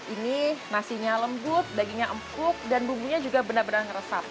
ini nasinya lembut dagingnya empuk dan bumbunya juga benar benar meresap